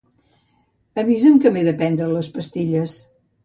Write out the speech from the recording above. Avisa'm que m'he de prendre les pastilles.